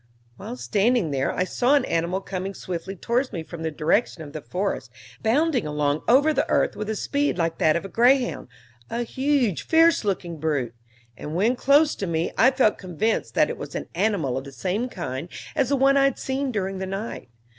While standing there, I saw an animal coming swiftly towards me from the direction of the forest, bounding along over the earth with a speed like that of a greyhound a huge, fierce looking brute; and when close to me, I felt convinced that it was an animal of the same kind as the one I had seen during the night.